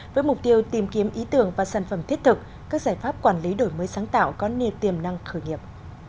với mục tiêu tìm kiếm ý tưởng và sản phẩm thiết thực các giải pháp quản lý đổi mới sáng tạo có niềm tiềm năng khởi nghiệp